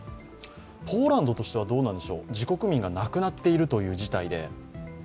ポーランドとしてはどうなんでしょう、自国民が亡くなっているという事態で。